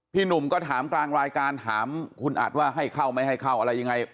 หนุ่มก็ถามกลางรายการถามคุณอัดว่าให้เข้าไม่ให้เข้าอะไรยังไง